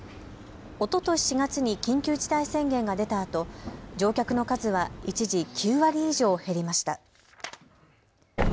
おととし４月に緊急事態宣言が出たあと、乗客の数は一時９割以上減りました。